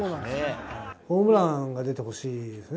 ホームランが出てほしいですね。